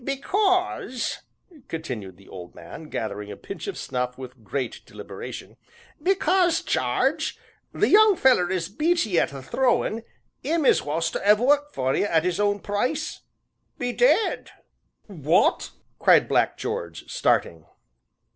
"Because," continued the old man, gathering a pinch of snuff with great deliberation, "because, Jarge, the young feller as beat ye at the throwin' 'im as was to 'ave worked for ye at 'is own price be dead." "What!" cried Black George, starting.